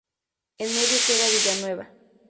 En medio queda Villanueva.